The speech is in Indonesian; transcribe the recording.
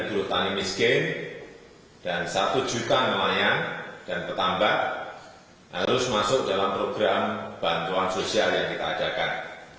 satu tujuh petani miskin dan satu juta layan dan petambak harus masuk dalam program bantuan sosial yang kita ajarkan